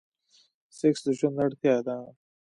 سيکس د ژوند اړتيا ده.